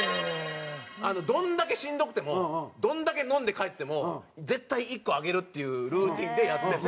どれだけしんどくてもどれだけ飲んで帰っても絶対１個上げるっていうルーチンでやってて。